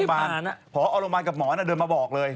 พอโรงพยาบาลกับหมอเดินมาบอกเลย